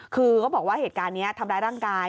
คือเขาบอกว่าเหตุการณ์นี้ทำร้ายร่างกาย